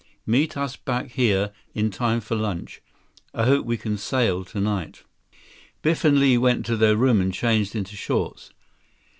Meet us back here in time for lunch. I hope we can sail tonight." Biff and Li went to their room and changed into shorts.